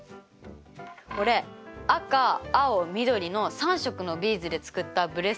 これ赤青緑の３色のビーズで作ったブレスレットです。